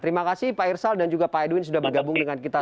terima kasih pak irsal dan juga pak edwin sudah bergabung dengan kita